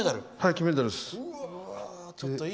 金メダルです。